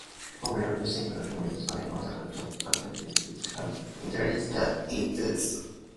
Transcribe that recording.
Often, voluntary self-regulation is imposed in order to maintain professionalism, ethics, and industry standards.